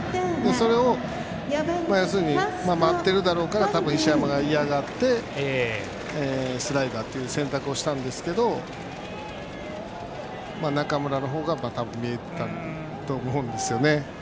それを要するに待ってるだろうから多分、石山が嫌がってスライダーという選択をしたんですけど中村の方がバッターを見えたと思うんですよね。